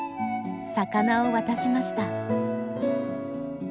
魚を渡しました。